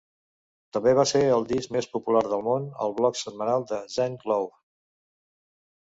També va ser el disc més popular del món al blog setmanal de Zane Lowe.